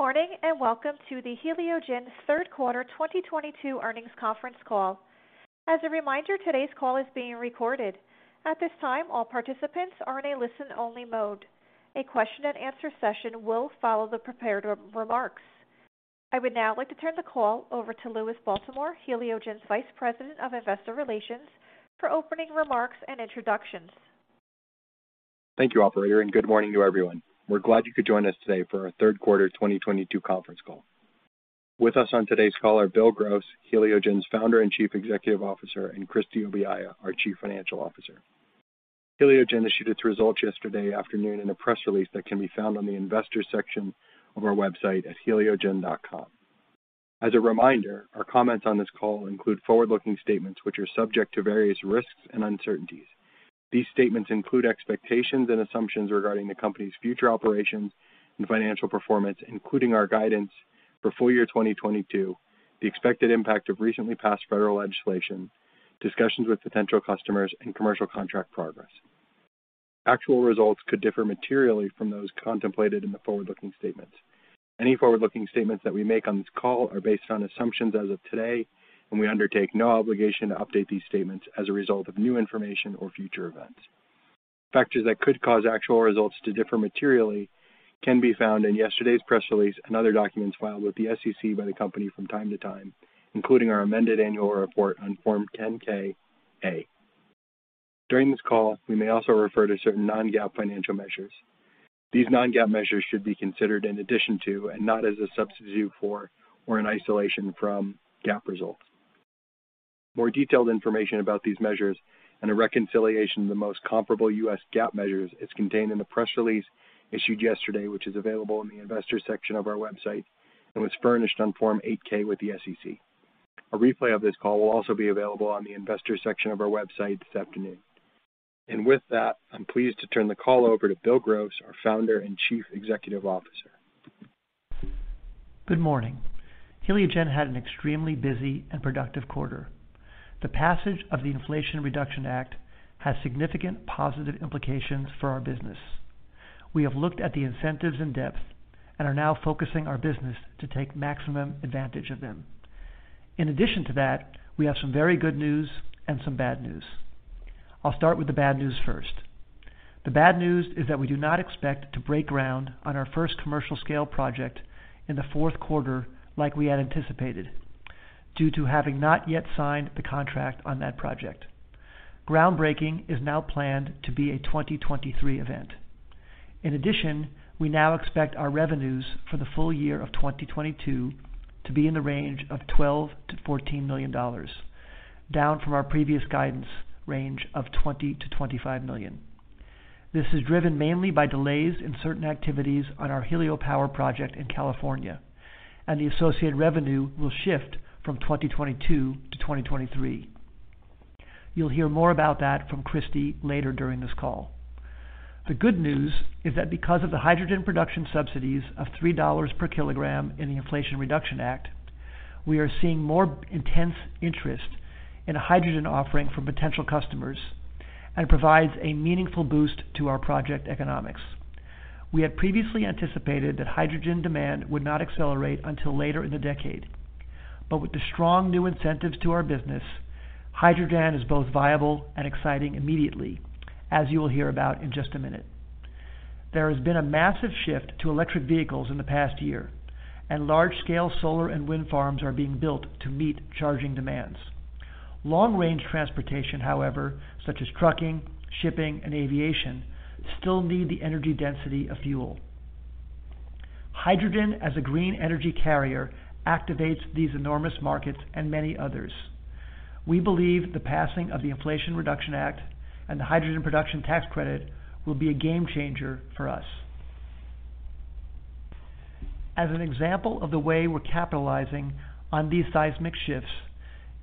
Good morning. Welcome to the Heliogen third quarter 2022 earnings conference call. As a reminder, today's call is being recorded. At this time, all participants are in a listen-only mode. A question and answer session will follow the prepared remarks. I would now like to turn the call over to Louis Baltimore, Heliogen's Vice President of Investor Relations, for opening remarks and introductions. Thank you, operator. Good morning to everyone. We're glad you could join us today for our third quarter 2022 conference call. With us on today's call are Bill Gross, Heliogen's Founder and Chief Executive Officer, and Christie Obiaya, our Chief Financial Officer. Heliogen issued its results yesterday afternoon in a press release that can be found on the investors section of our website at heliogen.com. As a reminder, our comments on this call include forward-looking statements which are subject to various risks and uncertainties. These statements include expectations and assumptions regarding the company's future operations and financial performance, including our guidance for full year 2022, the expected impact of recently passed federal legislation, discussions with potential customers, and commercial contract progress. Actual results could differ materially from those contemplated in the forward-looking statements. Any forward-looking statements that we make on this call are based on assumptions as of today. We undertake no obligation to update these statements as a result of new information or future events. Factors that could cause actual results to differ materially can be found in yesterday's press release and other documents filed with the SEC by the company from time to time, including our amended annual report on Form 10-K/A. During this call, we may also refer to certain non-GAAP financial measures. These non-GAAP measures should be considered in addition to, and not as a substitute for or in isolation from, GAAP results. More detailed information about these measures and a reconciliation of the most comparable U.S. GAAP measures is contained in the press release issued yesterday, which is available in the investors section of our website and was furnished on Form 8-K with the SEC. A replay of this call will also be available on the investors section of our website this afternoon. With that, I'm pleased to turn the call over to Bill Gross, our Founder and Chief Executive Officer. Good morning. Heliogen had an extremely busy and productive quarter. The passage of the Inflation Reduction Act has significant positive implications for our business. We have looked at the incentives in depth and are now focusing our business to take maximum advantage of them. In addition to that, we have some very good news and some bad news. I'll start with the bad news first. The bad news is that we do not expect to break ground on our first commercial scale project in the fourth quarter like we had anticipated, due to having not yet signed the contract on that project. Groundbreaking is now planned to be a 2023 event. In addition, we now expect our revenues for the full year of 2022 to be in the range of $12 million-$14 million, down from our previous guidance range of $20 million-$25 million. This is driven mainly by delays in certain activities on our HelioPower project in California, and the associated revenue will shift from 2022 to 2023. You'll hear more about that from Kristi later during this call. The good news is that because of the hydrogen production subsidies of $3 per kilogram in the Inflation Reduction Act, we are seeing more intense interest in a hydrogen offering from potential customers and provides a meaningful boost to our project economics. We had previously anticipated that hydrogen demand would not accelerate until later in the decade. With the strong new incentives to our business, hydrogen is both viable and exciting immediately, as you will hear about in just a minute. There has been a massive shift to electric vehicles in the past year, and large-scale solar and wind farms are being built to meet charging demands. Long-range transportation, however, such as trucking, shipping, and aviation, still need the energy density of fuel. Hydrogen as a green energy carrier activates these enormous markets and many others. We believe the passing of the Inflation Reduction Act and the hydrogen production tax credit will be a game changer for us. As an example of the way we're capitalizing on these seismic shifts,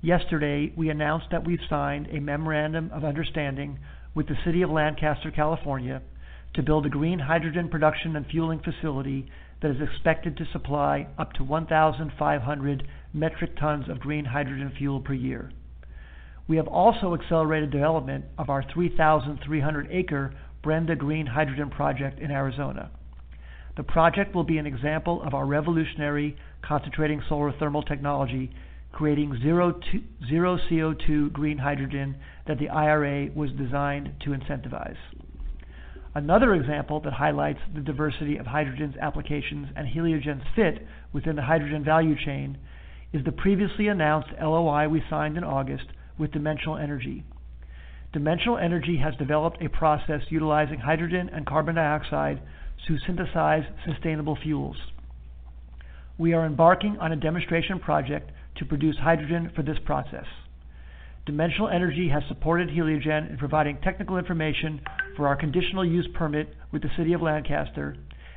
yesterday, we announced that we've signed a memorandum of understanding with the City of Lancaster, California, to build a green hydrogen production and fueling facility that is expected to supply up to 1,500 metric tons of green hydrogen fuel per year. We have also accelerated development of our 3,300-acre Brenda Green Hydrogen project in Arizona. The project will be an example of our revolutionary concentrated solar thermal technology, creating zero CO2 green hydrogen that the IRA was designed to incentivize. Another example that highlights the diversity of hydrogen's applications and Heliogen's fit within the hydrogen value chain is the previously announced LOI we signed in August with Dimensional Energy. Dimensional Energy has developed a process utilizing hydrogen and carbon dioxide to synthesize sustainable fuels. We are embarking on a demonstration project to produce hydrogen for this process. Dimensional Energy has supported Heliogen in providing technical information for our conditional use permit with the City of Lancaster,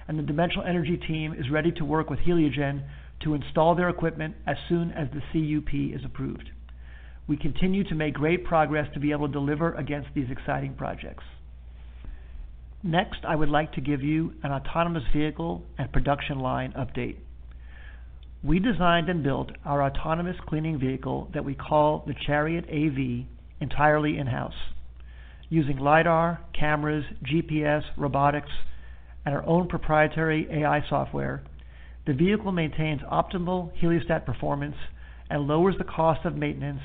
and the Dimensional Energy team is ready to work with Heliogen to install their equipment as soon as the CUP is approved. We continue to make great progress to be able to deliver against these exciting projects. Next, I would like to give you an autonomous vehicle and production line update. We designed and built our autonomous cleaning vehicle that we call the Chariot AV entirely in-house. Using lidar, cameras, GPS, robotics, and our own proprietary AI software, the vehicle maintains optimal heliostat performance and lowers the cost of maintenance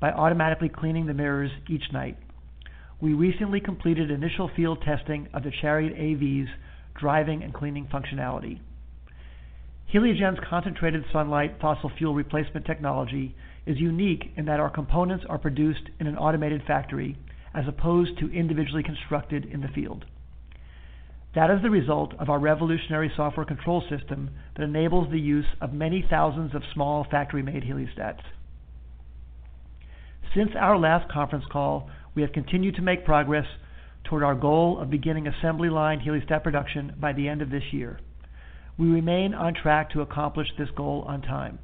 by automatically cleaning the mirrors each night. We recently completed initial field testing of the Chariot AV's driving and cleaning functionality. Heliogen's concentrated sunlight fossil fuel replacement technology is unique in that our components are produced in an automated factory as opposed to individually constructed in the field. That is the result of our revolutionary software control system that enables the use of many thousands of small factory-made heliostats. Since our last conference call, we have continued to make progress toward our goal of beginning assembly line heliostat production by the end of this year. We remain on track to accomplish this goal on time.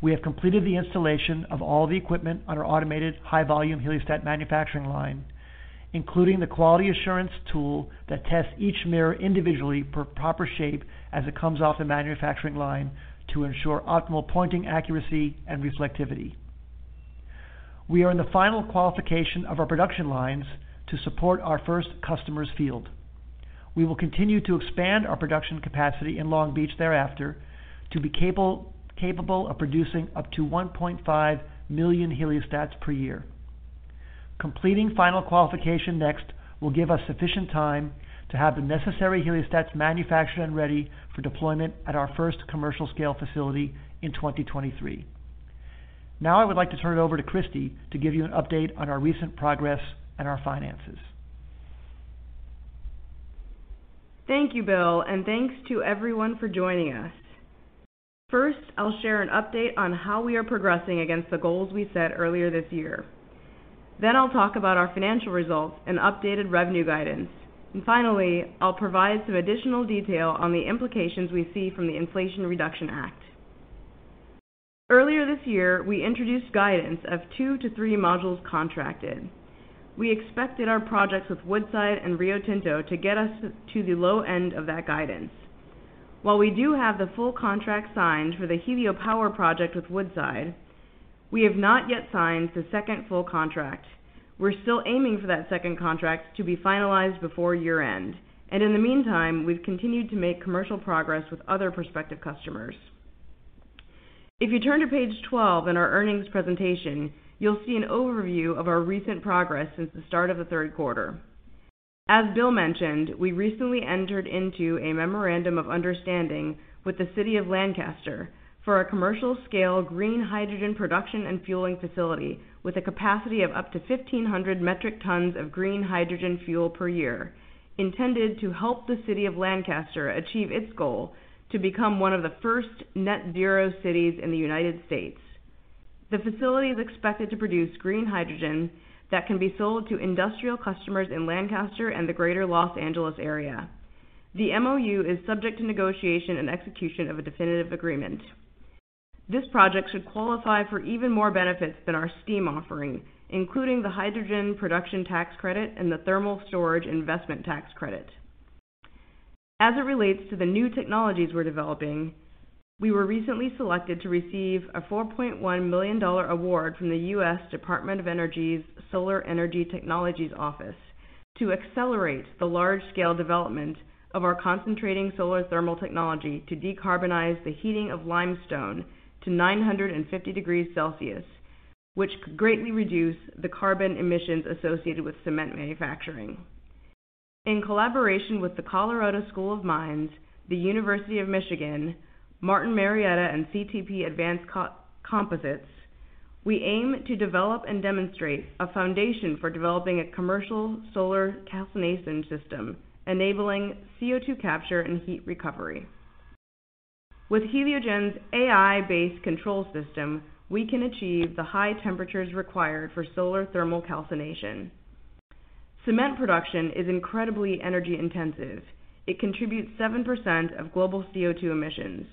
We have completed the installation of all the equipment on our automated high-volume heliostat manufacturing line, including the quality assurance tool that tests each mirror individually for proper shape as it comes off the manufacturing line to ensure optimal pointing accuracy and reflectivity. We are in the final qualification of our production lines to support our first customer's field. We will continue to expand our production capacity in Long Beach thereafter to be capable of producing up to 1.5 million heliostats per year. Completing final qualification next will give us sufficient time to have the necessary heliostats manufactured and ready for deployment at our first commercial scale facility in 2023. Now I would like to turn it over to Christie to give you an update on our recent progress and our finances. Thank you, Bill, and thanks to everyone for joining us. First, I'll share an update on how we are progressing against the goals we set earlier this year. Then I'll talk about our financial results and updated revenue guidance. Finally, I'll provide some additional detail on the implications we see from the Inflation Reduction Act. Earlier this year, we introduced guidance of two to three modules contracted. We expected our projects with Woodside and Rio Tinto to get us to the low end of that guidance. While we do have the full contract signed for the HelioPower project with Woodside, we have not yet signed the second full contract. We're still aiming for that second contract to be finalized before year-end, and in the meantime, we've continued to make commercial progress with other prospective customers. If you turn to page 12 in our earnings presentation, you'll see an overview of our recent progress since the start of the third quarter. As Bill mentioned, we recently entered into a memorandum of understanding with the City of Lancaster for a commercial scale green hydrogen production and fueling facility with a capacity of up to 1,500 metric tons of green hydrogen fuel per year, intended to help the City of Lancaster achieve its goal to become one of the first net zero cities in the United States. The facility is expected to produce green hydrogen that can be sold to industrial customers in Lancaster and the greater Los Angeles area. The MoU is subject to negotiation and execution of a definitive agreement. This project should qualify for even more benefits than our STEAM offering, including the hydrogen production tax credit and the thermal storage investment tax credit. As it relates to the new technologies we are developing, we were recently selected to receive a $4.1 million award from the U.S. Department of Energy's Solar Energy Technologies Office to accelerate the large-scale development of our concentrated solar thermal technology to decarbonize the heating of limestone to 950 degrees Celsius, which could greatly reduce the carbon emissions associated with cement manufacturing. In collaboration with the Colorado School of Mines, the University of Michigan, Martin Marietta, and CTP Advanced Composites, we aim to develop and demonstrate a foundation for developing a commercial solar calcination system, enabling CO2 capture and heat recovery. With Heliogen's AI-based control system, we can achieve the high temperatures required for solar thermal calcination. Cement production is incredibly energy intensive. It contributes 7% of global CO2 emissions.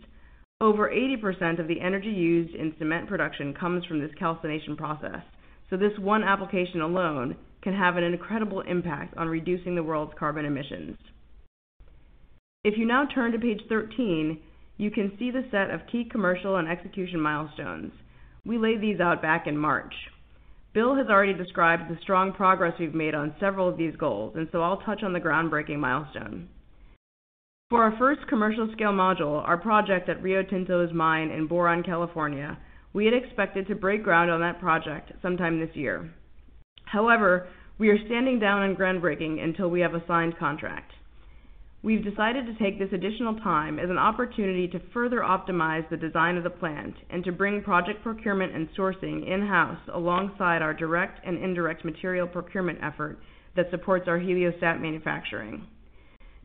Over 80% of the energy used in cement production comes from this calcination process, so this one application alone can have an incredible impact on reducing the world's carbon emissions. If you now turn to page thirteen, you can see the set of key commercial and execution milestones. We laid these out back in March. Bill has already described the strong progress we have made on several of these goals, and I will touch on the groundbreaking milestone. For our first commercial scale module, our project at Rio Tinto's mine in Boron, California, we had expected to break ground on that project sometime this year. However, we are standing down on groundbreaking until we have a signed contract. We have decided to take this additional time as an opportunity to further optimize the design of the plant and to bring project procurement and sourcing in-house alongside our direct and indirect material procurement effort that supports our heliostat manufacturing.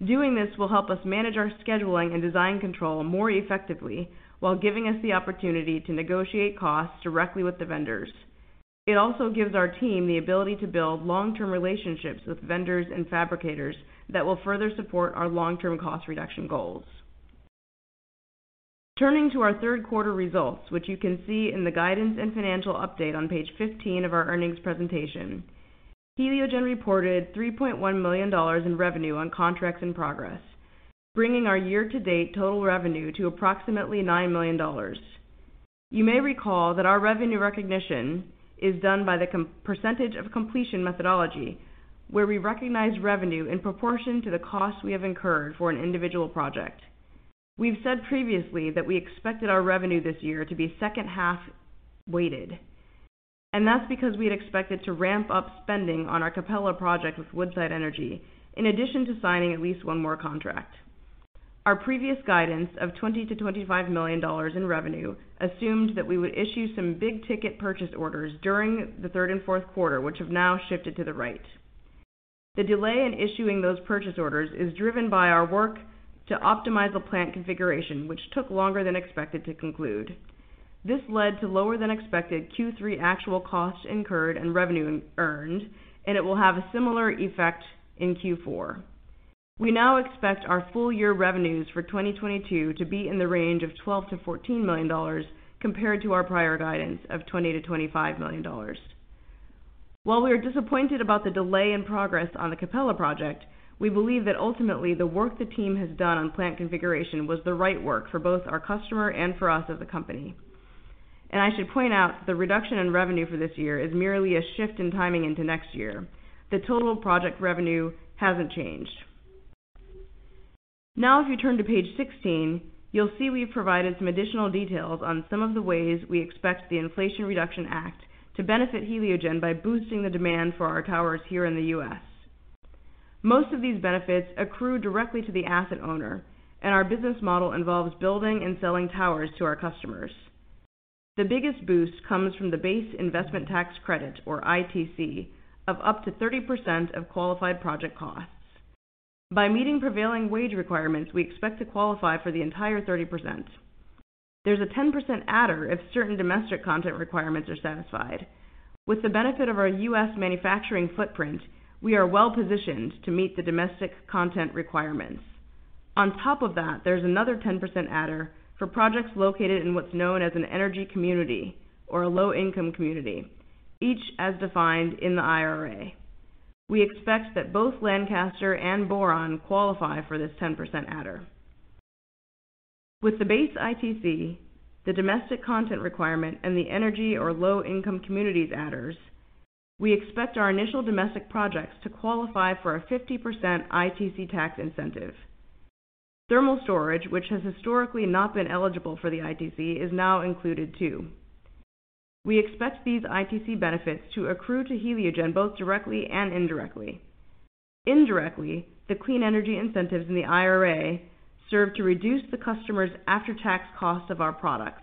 Doing this will help us manage our scheduling and design control more effectively while giving us the opportunity to negotiate costs directly with the vendors. It also gives our team the ability to build long-term relationships with vendors and fabricators that will further support our long-term cost reduction goals. Turning to our third quarter results, which you can see in the guidance and financial update on page fifteen of our earnings presentation. Heliogen reported $3.1 million in revenue on contracts in progress, bringing our year-to-date total revenue to approximately $9 million. You may recall that our revenue recognition is done by the percentage of completion methodology, where we recognize revenue in proportion to the cost we have incurred for an individual project. We have said previously that we expected our revenue this year to be second half weighted, and that is because we had expected to ramp up spending on our Capella project with Woodside Energy, in addition to signing at least one more contract. Our previous guidance of $20 million-$25 million in revenue assumed that we would issue some big ticket purchase orders during the third and fourth quarter, which have now shifted to the right. The delay in issuing those purchase orders is driven by our work to optimize the plant configuration, which took longer than expected to conclude. This led to lower than expected Q3 actual costs incurred and revenue earned, it will have a similar effect in Q4. We now expect our full year revenues for 2022 to be in the range of $12 million-$14 million, compared to our prior guidance of $20 million-$25 million. While we are disappointed about the delay in progress on the Capella project, we believe that ultimately, the work the team has done on plant configuration was the right work for both our customer and for us as a company. I should point out, the reduction in revenue for this year is merely a shift in timing into next year. The total project revenue hasn't changed. If you turn to page 16, you'll see we've provided some additional details on some of the ways we expect the Inflation Reduction Act to benefit Heliogen by boosting the demand for our towers here in the U.S. Most of these benefits accrue directly to the asset owner, our business model involves building and selling towers to our customers. The biggest boost comes from the base investment tax credit, or ITC, of up to 30% of qualified project costs. By meeting prevailing wage requirements, we expect to qualify for the entire 30%. There's a 10% adder if certain domestic content requirements are satisfied. With the benefit of our U.S. manufacturing footprint, we are well-positioned to meet the domestic content requirements. On top of that, there's another 10% adder for projects located in what's known as an energy community or a low income community, each as defined in the IRA. We expect that both Lancaster and Boron qualify for this 10% adder. With the base ITC, the domestic content requirement, and the energy or low income communities adders, we expect our initial domestic projects to qualify for a 50% ITC tax incentive. Thermal storage, which has historically not been eligible for the ITC, is now included, too. We expect these ITC benefits to accrue to Heliogen both directly and indirectly. Indirectly, the clean energy incentives in the IRA serve to reduce the customer's after-tax costs of our products.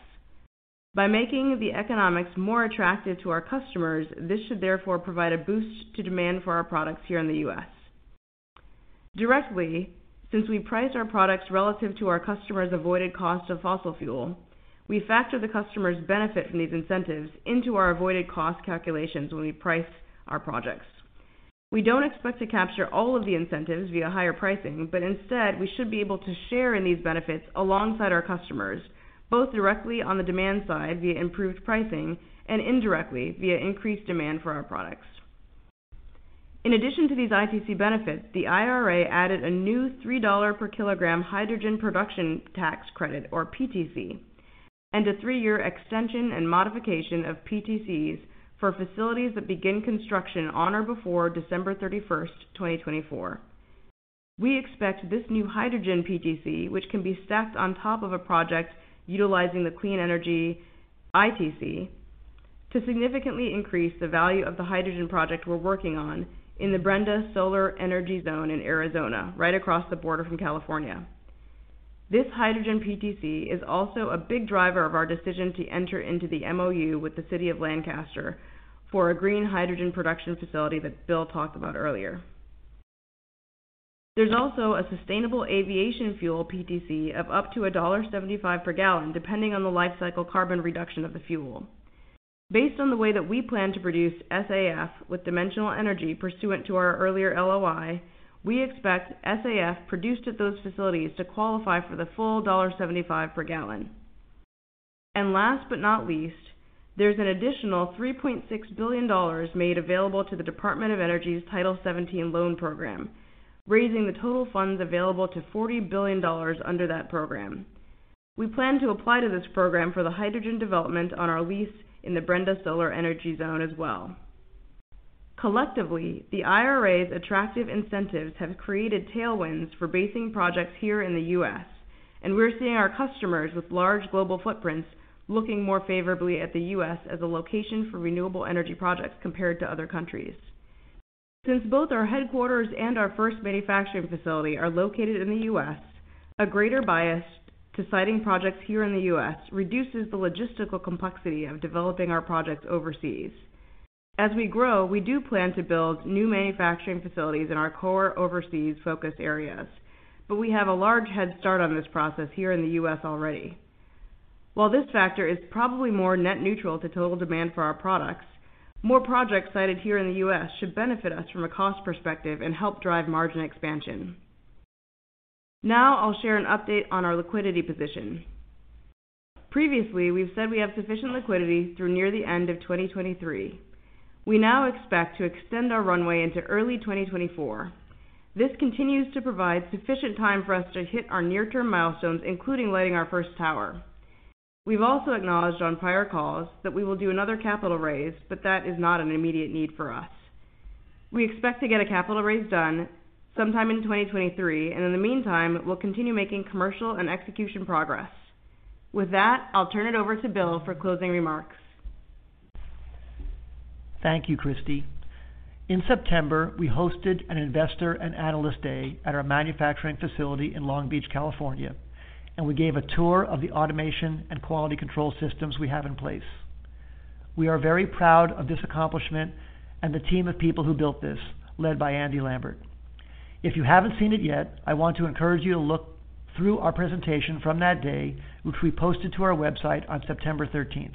By making the economics more attractive to our customers, this should therefore provide a boost to demand for our products here in the U.S. Directly, since we price our products relative to our customers' avoided cost of fossil fuel, we factor the customer's benefit from these incentives into our avoided cost calculations when we price our projects. We don't expect to capture all of the incentives via higher pricing, instead, we should be able to share in these benefits alongside our customers, both directly on the demand side via improved pricing, and indirectly via increased demand for our products. In addition to these ITC benefits, the IRA added a new $3 per kilogram hydrogen production tax credit, or PTC, and a three-year extension and modification of PTCs for facilities that begin construction on or before December 31st, 2024. We expect this new hydrogen PTC, which can be stacked on top of a project utilizing the clean energy ITC, to significantly increase the value of the hydrogen project we're working on in the Brenda Solar Energy Zone in Arizona, right across the border from California. This hydrogen PTC is also a big driver of our decision to enter into the MoU with the City of Lancaster for a green hydrogen production facility that Bill talked about earlier. There is also a sustainable aviation fuel PTC of up to $1.75 per gallon, depending on the lifecycle carbon reduction of the fuel. Based on the way that we plan to produce SAF with Dimensional Energy pursuant to our earlier LOI, we expect SAF produced at those facilities to qualify for the full $1.75 per gallon. Last but not least, there is an additional $3.6 billion made available to the Department of Energy's Title 17 Clean Energy Financing Program, raising the total funds available to $40 billion under that program. We plan to apply to this program for the hydrogen development on our lease in the Brenda Solar Energy Zone as well. Collectively, the IRA's attractive incentives have created tailwinds for basing projects here in the U.S., and we're seeing our customers with large global footprints looking more favorably at the U.S. as a location for renewable energy projects compared to other countries. Since both our headquarters and our first manufacturing facility are located in the U.S., a greater bias to siting projects here in the U.S. reduces the logistical complexity of developing our projects overseas. As we grow, we do plan to build new manufacturing facilities in our core overseas focus areas, but we have a large head start on this process here in the U.S. already. While this factor is probably more net neutral to total demand for our products, more projects sited here in the U.S. should benefit us from a cost perspective and help drive margin expansion. Now I'll share an update on our liquidity position. Previously, we've said we have sufficient liquidity through near the end of 2023. We now expect to extend our runway into early 2024. This continues to provide sufficient time for us to hit our near-term milestones, including lighting our first tower. We've also acknowledged on prior calls that we will do another capital raise, but that is not an immediate need for us. We expect to get a capital raise done sometime in 2023, and in the meantime, we'll continue making commercial and execution progress. With that, I'll turn it over to Bill for closing remarks. Thank you, Christie. In September, we hosted an investor and analyst day at our manufacturing facility in Long Beach, California, and we gave a tour of the automation and quality control systems we have in place. We are very proud of this accomplishment and the team of people who built this, led by Andy Lambert. If you haven't seen it yet, I want to encourage you to look through our presentation from that day, which we posted to our website on September 13th.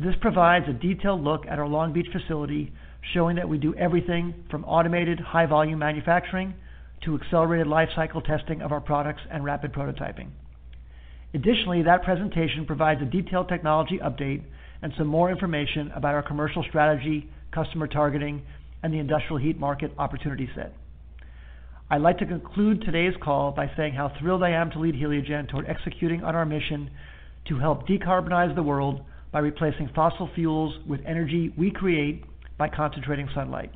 This provides a detailed look at our Long Beach facility, showing that we do everything from automated high-volume manufacturing to accelerated lifecycle testing of our products and rapid prototyping. Additionally, that presentation provides a detailed technology update and some more information about our commercial strategy, customer targeting, and the industrial heat market opportunity set. I'd like to conclude today's call by saying how thrilled I am to lead Heliogen toward executing on our mission to help decarbonize the world by replacing fossil fuels with energy we create by concentrating sunlight.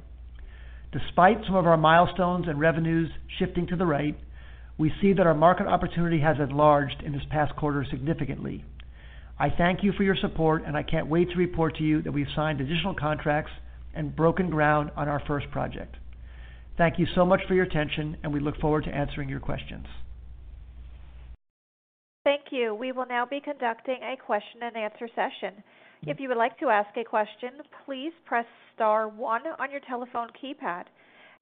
Despite some of our milestones and revenues shifting to the right, we see that our market opportunity has enlarged in this past quarter significantly. I thank you for your support, and I can't wait to report to you that we've signed additional contracts and broken ground on our first project. Thank you so much for your attention, and we look forward to answering your questions. Thank you. We will now be conducting a question and answer session. If you would like to ask a question, please press star one on your telephone keypad.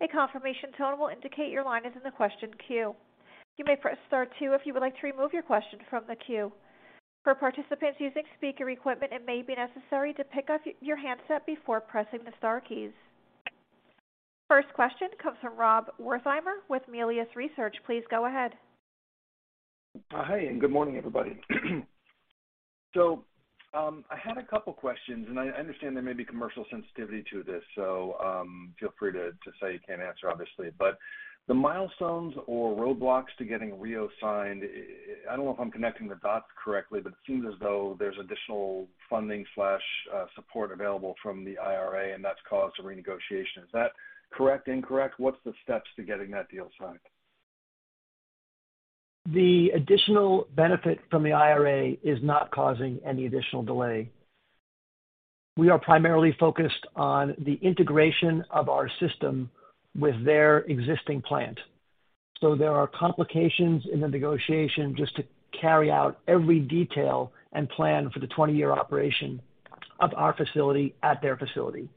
A confirmation tone will indicate your line is in the question queue. You may press star two if you would like to remove your question from the queue. For participants using speaker equipment, it may be necessary to pick up your handset before pressing the star keys. First question comes from Rob Wertheimer with Melius Research. Please go ahead. Hi. Good morning, everybody. I had a couple questions, and I understand there may be commercial sensitivity to this, so feel free to say you can't answer, obviously. The milestones or roadblocks to getting Rio signed, I don't know if I'm connecting the dots correctly, but it seems as though there's additional funding/support available from the IRA, and that's caused some renegotiation. Is that correct, incorrect? What's the steps to getting that deal signed? The additional benefit from the IRA is not causing any additional delay. We are primarily focused on the integration of our system with their existing plant. There are complications in the negotiation just to carry out every detail and plan for the 20-year operation of our facility at their facility.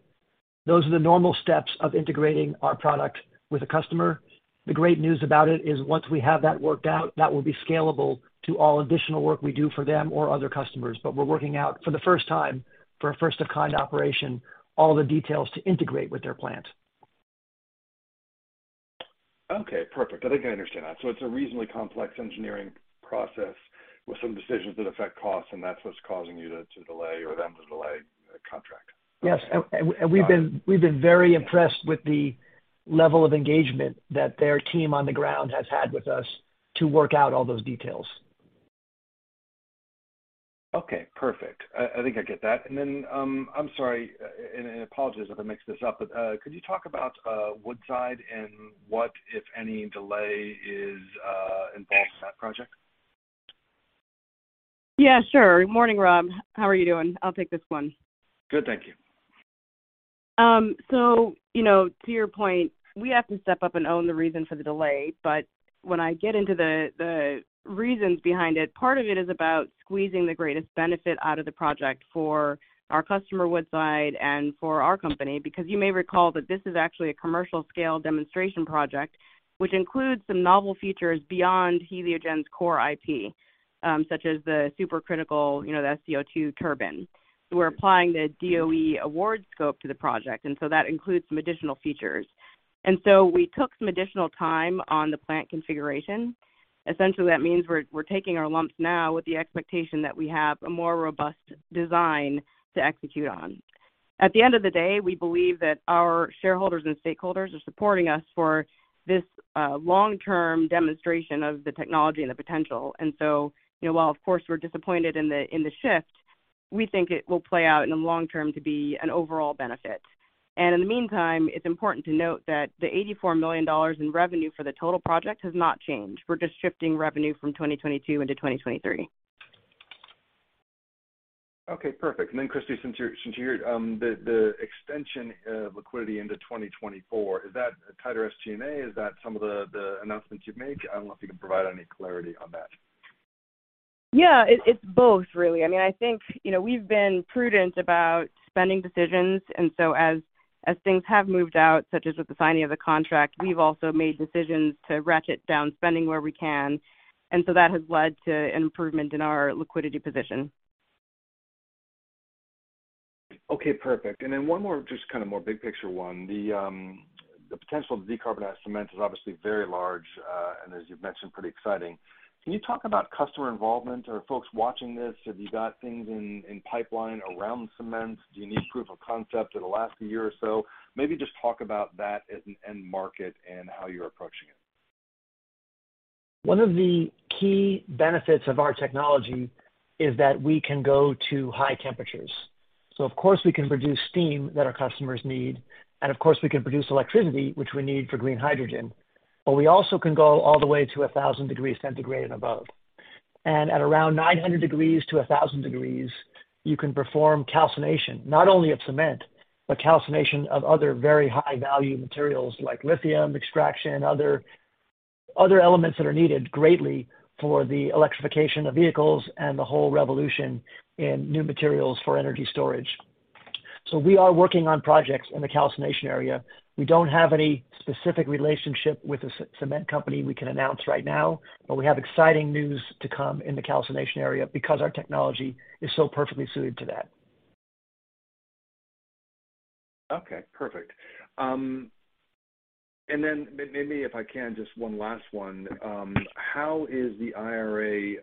Those are the normal steps of integrating our product with a customer. The great news about it is once we have that worked out, that will be scalable to all additional work we do for them or other customers. We're working out for the first time, for a first-of-kind operation, all the details to integrate with their plant. Okay, perfect. I think I understand that. It's a reasonably complex engineering process with some decisions that affect cost, and that's what's causing you to delay or them to delay a contract. Yes. We've been very impressed with the level of engagement that their team on the ground has had with us to work out all those details. Okay, perfect. I think I get that. Then, I'm sorry, and apologies if I mix this up, but could you talk about Woodside and what, if any, delay is involved in that project? Yeah, sure. Morning, Rob. How are you doing? I'll take this one. Good, thank you. To your point, we have to step up and own the reason for the delay, when I get into the reasons behind it, part of it is about squeezing the greatest benefit out of the project for our customer, Woodside, and for our company, because you may recall that this is actually a commercial scale demonstration project, which includes some novel features beyond Heliogen's core IP, such as the supercritical, the sCO2 turbine. We're applying the DOE award scope to the project, that includes some additional features. We took some additional time on the plant configuration. Essentially, that means we're taking our lumps now with the expectation that we have a more robust design to execute on. At the end of the day, we believe that our shareholders and stakeholders are supporting us for this long-term demonstration of the technology and the potential. While, of course, we're disappointed in the shift, we think it will play out in the long term to be an overall benefit. In the meantime, it's important to note that the $84 million in revenue for the total project has not changed. We're just shifting revenue from 2022 into 2023. Okay, perfect. Christie, since you heard the extension of liquidity into 2024, is that a tighter SG&A? Is that some of the announcements you've made? I don't know if you can provide any clarity on that. Yeah, it's both really. I think we've been prudent about spending decisions, as things have moved out, such as with the signing of the contract, we've also made decisions to ratchet down spending where we can. That has led to an improvement in our liquidity position. Okay, perfect. One more, just kind of more big picture one. The potential to decarbonize cement is obviously very large, and as you've mentioned, pretty exciting. Can you talk about customer involvement or folks watching this? Have you got things in pipeline around cement? Do you need proof of concept in the last year or so? Maybe just talk about that as an end market and how you're approaching it. One of the key benefits of our technology is that we can go to high temperatures. Of course, we can produce steam that our customers need, and of course, we can produce electricity, which we need for green hydrogen. We also can go all the way to 1,000 degrees centigrade and above. At around 900 degrees to 1,000 degrees, you can perform calcination not only of cement, but calcination of other very high-value materials like lithium extraction and other elements that are needed greatly for the electrification of vehicles and the whole revolution in new materials for energy storage. We are working on projects in the calcination area. We don't have any specific relationship with a cement company we can announce right now, but we have exciting news to come in the calcination area because our technology is so perfectly suited to that. Okay, perfect. Maybe if I can, just one last one. How is the IRA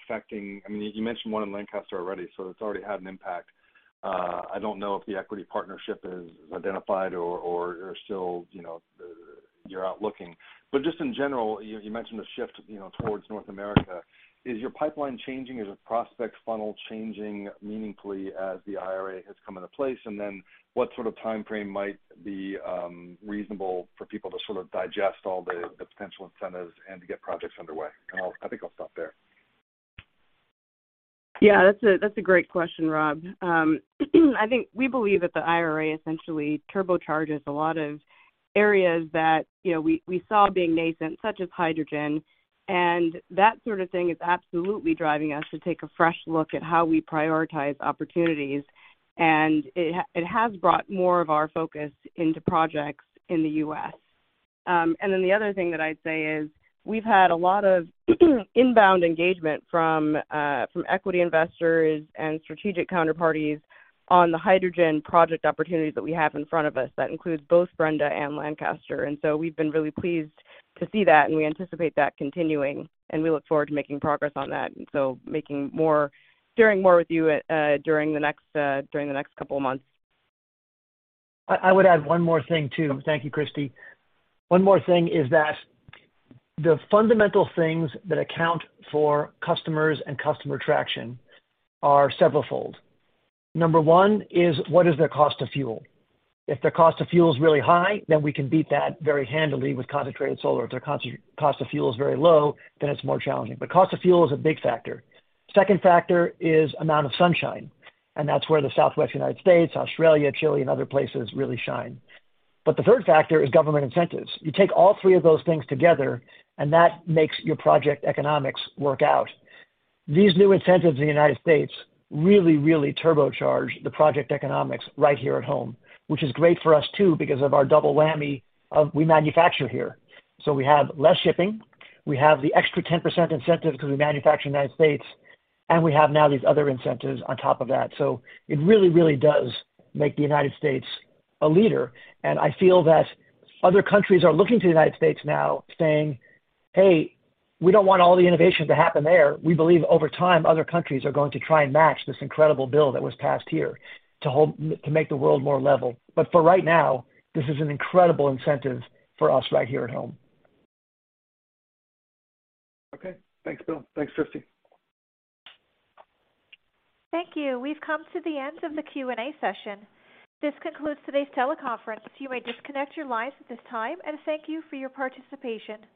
affecting-- You mentioned one in Lancaster already, so it's already had an impact. I don't know if the equity partnership is identified or you're out looking. Just in general, you mentioned a shift towards North America. Is your pipeline changing? Is your prospects funnel changing meaningfully as the IRA has come into place? What sort of timeframe might be reasonable for people to sort of digest all the potential incentives and to get projects underway? I think I'll stop there. Yeah. That's a great question, Rob. I think we believe that the IRA essentially turbocharges a lot of areas that we saw being nascent, such as hydrogen, and that sort of thing is absolutely driving us to take a fresh look at how we prioritize opportunities. It has brought more of our focus into projects in the U.S. The other thing that I'd say is we've had a lot of inbound engagement from equity investors and strategic counterparties on the hydrogen project opportunities that we have in front of us that includes both Brenda and Lancaster. We've been really pleased to see that, and we anticipate that continuing, and we look forward to making progress on that. Sharing more with you during the next couple of months. I would add one more thing, too. Thank you, Christie. One more thing is that the fundamental things that account for customers and customer traction are several fold. Number 1 is what is their cost of fuel? If their cost of fuel is really high, then we can beat that very handily with concentrated solar. If their cost of fuel is very low, then it's more challenging. Cost of fuel is a big factor. 2nd factor is amount of sunshine, and that's where the Southwest United States, Australia, Chile, and other places really shine. The 3rd factor is government incentives. You take all three of those things together, and that makes your project economics work out. These new incentives in the United States really turbocharge the project economics right here at home, which is great for us too because of our double whammy of we manufacture here. We have less shipping, we have the extra 10% incentive because we manufacture in the United States, and we have now these other incentives on top of that. It really does make the United States a leader, and I feel that other countries are looking to the United States now saying, "Hey, we don't want all the innovation to happen there." We believe over time, other countries are going to try and match this incredible bill that was passed here to make the world more level. For right now, this is an incredible incentive for us right here at home. Okay. Thanks, Bill. Thanks, Kristy. Thank you. We've come to the end of the Q&A session. This concludes today's teleconference. You may disconnect your lines at this time, and thank you for your participation.